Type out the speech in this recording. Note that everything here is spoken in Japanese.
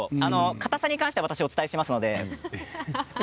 かたさについて私がお伝えします。